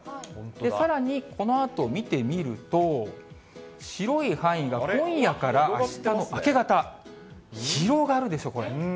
さらにこのあと見てみると、白い範囲が今夜からあしたの明け方、広がるでしょ、これ。